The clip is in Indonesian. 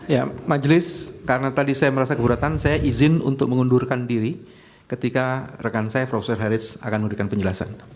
ya majelis karena tadi saya merasa keberatan saya izin untuk mengundurkan diri ketika rekan saya profesor haritz akan memberikan penjelasan